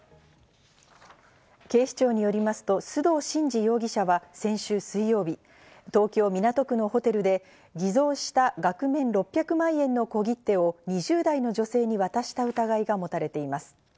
警視庁よりますと、須藤慎司容疑者は先週水曜日、東京・港区のホテルで偽造した額面６００万円の小切手を２０代の女性に渡した疑いが持たれています。